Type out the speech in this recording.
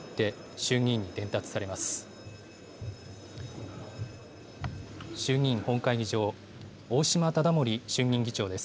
衆議院本会議場、大島理森衆議院議長です。